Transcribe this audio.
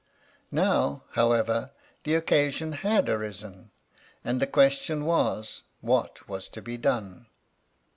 Now, however, the occasion had arisen, and the question was, what was to be done?